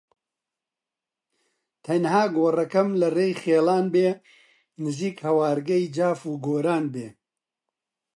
تەنها گۆڕەکەم لە ڕێی خیڵان بێ نزیک هەوارگەی جاف و کۆران بێ